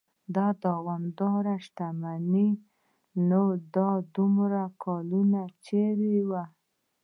دا دومره شتمني نو دا دومره کلونه چېرې وه.